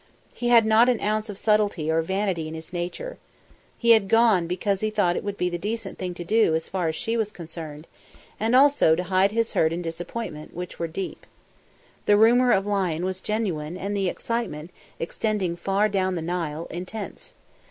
He had not an ounce of subtlety or vanity in his nature. He had gone because he thought it would be the decent thing to do as far as she was concerned, and also to hide his hurt and disappointment, which were deep. The rumour of lion was genuine and the excitement, extending far down the Nile, intense.